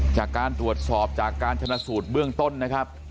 จากการตรวจสอบจากการชนะสูตรเบื้องต้นนะครับ